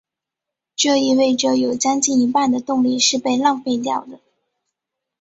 这意味者有将近一半的动力是被浪费掉的。